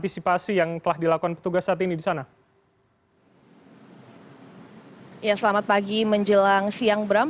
selamat pagi menjelang siang bram